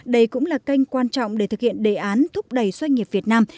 đây cũng là kênh quan trọng để thực hiện đề án thúc đẩy doanh nghiệp việt nam